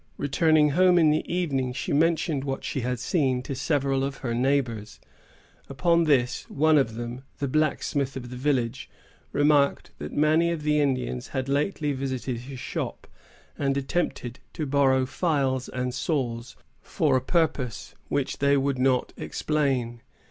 Returning home in the evening, she mentioned what she had seen to several of her neighbors. Upon this, one of them, the blacksmith of the village, remarked that many of the Indians had lately visited his shop, and attempted to borrow files and saws for a purpose which they would not explain.